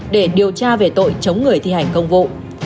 để điều tra về tội chống người thi hành công vụ